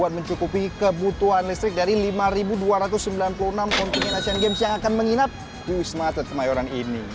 mencukupi kebutuhan listrik dari lima dua ratus sembilan puluh enam kontingen asian games yang akan menginap di wisma atlet kemayoran ini